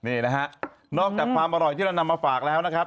นี่นะฮะนอกจากความอร่อยที่เรานำมาฝากแล้วนะครับ